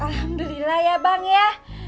alhamdulillah ya bang ya